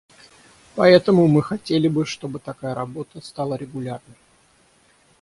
Поэтому мы хотели бы, чтобы такая работа стала регулярной.